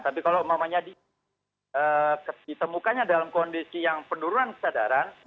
tapi kalau umpamanya ditemukannya dalam kondisi yang penurunan kesadaran